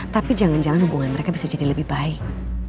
tapi jangan jangan hubungan mereka bisa jadi lebih baik